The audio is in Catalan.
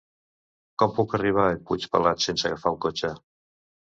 Com puc arribar a Puigpelat sense agafar el cotxe?